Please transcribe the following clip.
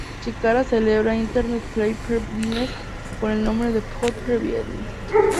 Chikara celebra Internet pay-per-views con el nombre de "Pod-Per-Views".